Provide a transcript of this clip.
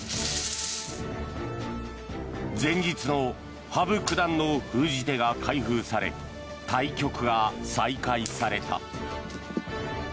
前日の羽生九段の封じ手が開封され対局が再開された。